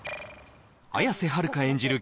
綾瀬はるか演じる